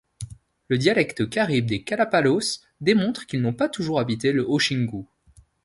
Le dialecte caribe des Kalapalos démontre qu'ils n'ont pas toujours habité le Haut-Xingu.